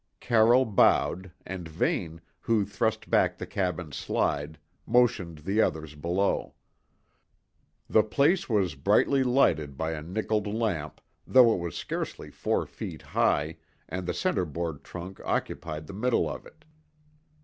Carroll bowed, and Vane, who thrust back the cabin slide, motioned the others below. The place was brightly lighted by a nickelled lamp, though it was scarcely four feet high and the centreboard trunk occupied the middle of it.